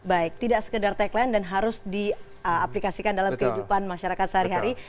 baik tidak sekedar tagline dan harus diaplikasikan dalam kehidupan masyarakat sehari hari